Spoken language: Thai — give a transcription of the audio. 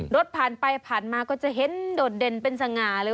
รถผ่านไปผ่านมาก็จะเห็นโดดเด่นเป็นสง่าเลย